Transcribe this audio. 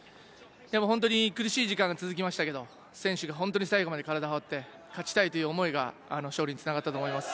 本当に苦しい時間が続きましたけど、選手は本当に最後まで体を張って勝ちたいっていう思いが勝利につながったと思います。